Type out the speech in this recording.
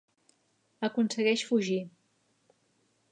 Aconsegueix fugir.